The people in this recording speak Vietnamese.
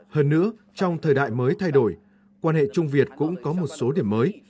hơn nữa trong thời đại mới thay đổi quan hệ trung việt cũng có một số điểm mới